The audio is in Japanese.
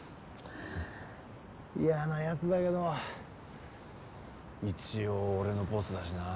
嫌な奴だけど一応俺のボスだしなあ。